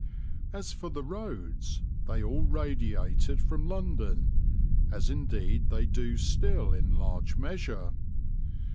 As for the roads they all radiated from London, as indeed they do still in large measure.